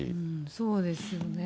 そうですよね。